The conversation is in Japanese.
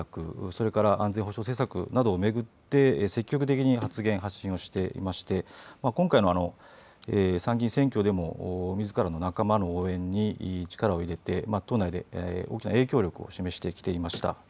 それから安全保障政策などを巡って積極的に発言発信をしていまして今回の参議院選挙でもみずからの仲間の応援に力を入れて党内で大きな影響力を示してきていました。